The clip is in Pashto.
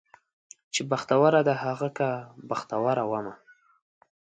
چې بختوره ده هغه که بختوره ومه